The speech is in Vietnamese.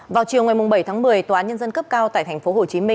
vào chiều ngày bảy tháng một mươi tòa án nhân dân cấp cao tại tp hcm